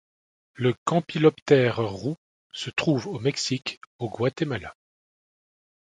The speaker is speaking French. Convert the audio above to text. Le Campyloptère roux se trouve au Mexique au Guatemala.